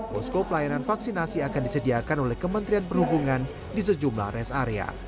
posko pelayanan vaksinasi akan disediakan oleh kementerian perhubungan di sejumlah res area